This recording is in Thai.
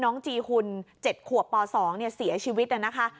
น้องจีฮุน๗ขัวป๒เนี่ยเสียชีวิตแน่นะคะ